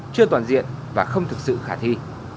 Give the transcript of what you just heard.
chưa toàn diện và không thực sự khả thi